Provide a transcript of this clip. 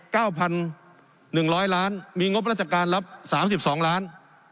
เก้าพันหนึ่งร้อยล้านมีงบราชการรับสามสิบสองล้าน